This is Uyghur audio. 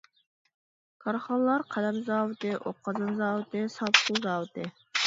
كارخانىلار قەلەم زاۋۇتى، ئوق قازان زاۋۇتى، ساپ سۇ زاۋۇتى.